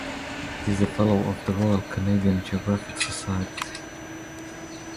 He is a fellow of the Royal Canadian Geographic Society.